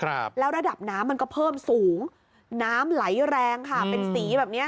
ครับแล้วระดับน้ำมันก็เพิ่มสูงน้ำไหลแรงค่ะเป็นสีแบบเนี้ย